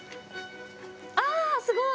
あすごい！